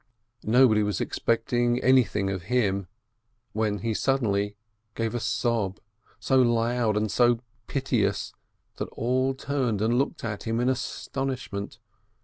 Nobody was expecting anything of him, when he suddenly gave a sob, so loud and so pite ous that all turned and looked at him in astonishment.